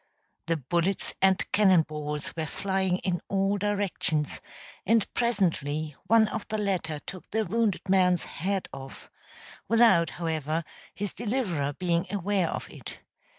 The bullets and cannon balls were flying in all directions, and presently one of the latter took the wounded man's head off without, however, his deliverer being aware of it.